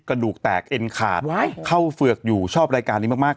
กระดูกแตกเอ็นขาดเข้าเฝือกอยู่ชอบรายการนี้มาก